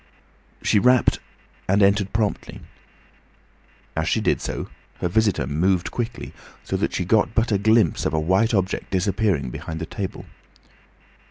She rapped and entered promptly. As she did so her visitor moved quickly, so that she got but a glimpse of a white object disappearing behind the table.